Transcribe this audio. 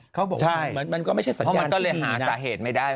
เพราะมันก็เลยหาสาเหตุไม่ได้